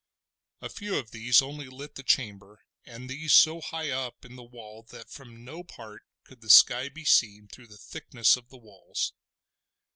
A few of these only lit the chamber, and these so high up in the wall that from no part could the sky be seen through the thickness of the walls.